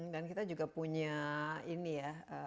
dan kita juga punya ini ya